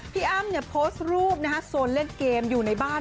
พี่อ้ำเนี่ยโพสต์รูปนะส่วนเล่นเกมอยู่ในบ้าน